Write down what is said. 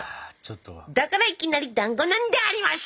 「だからいきなりだんごなんであります！」。